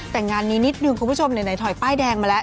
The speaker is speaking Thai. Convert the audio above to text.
แต่งานนี้นิดนึงคุณผู้ชมไหนถอยป้ายแดงมาแล้ว